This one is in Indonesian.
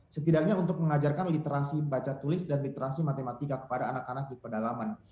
setidaknya untuk mengajarkan literasi baca tulis dan literasi matematika kepada anak anak di pedalaman